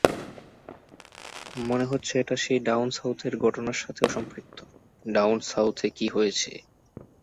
মনে হচ্ছে এটা সেই ডাউন সাউথের ঘটনার সাথে সম্পৃক্ত ডাউন সাউথে কী হয়েছে?